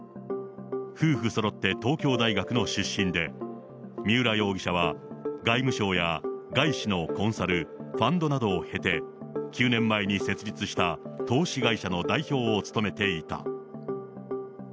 夫婦そろって東京大学の出身で、三浦容疑者は、外務省や外資のコンサル、ファンドなどを経て、９年前に設立した投資会社の代表を務めていた。